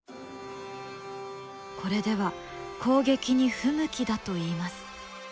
これでは攻撃に不向きだといいます。